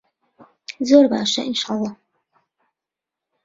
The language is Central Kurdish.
زۆر باشە ئینشەڵا.